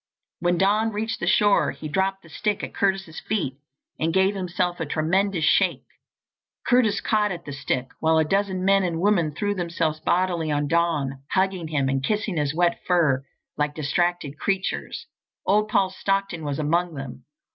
When Don reached the shore he dropped the stick at Curtis's feet and gave himself a tremendous shake. Curtis caught at the stick, while a dozen men and women threw themselves bodily on Don, hugging him and kissing his wet fur like distracted creatures. Old Paul Stockton was among them.